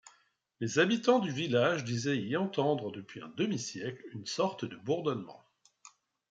Les habitants du village disaient y entendre depuis un demi-siècle une sorte de bourdonnement.